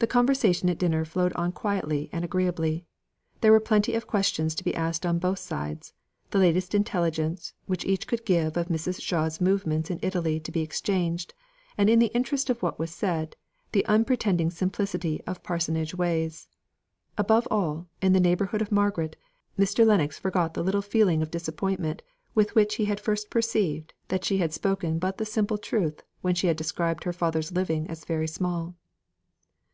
The conversation at dinner flowed on quietly and agreeably. There were plenty of questions to be asked on both sides the latest intelligence which each could give of Mrs. Shaw's movements in Italy to be exchanged; and in the interest of what was said, the unpretending simplicity of the parsonage ways above all in the neighbourhood of Margaret, Mr. Lennox forgot the little feeling of disappointment with which he had at first perceived that she had spoken but the simple truth when she had described her father's living as very small.